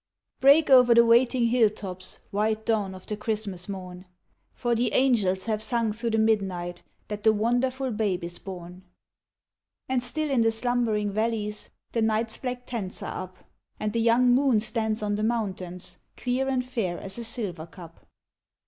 Break over the waiting hill tops, White dawn of the Christmas morn! For the angels have sung through the midnight, That the wonderful Babe is born. And still in the slumbering valleys, The night's black tents are up, And the young moon stands on the mountains, Clear and fair as a silver cup.